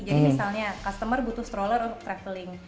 jadi misalnya customer butuh stroller untuk traveling